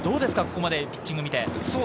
ここまでピッチングを見て。